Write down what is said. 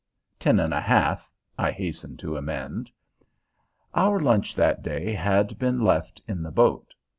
"Ten and a half," I hasten to amend. Our lunch that day had been left in the boat.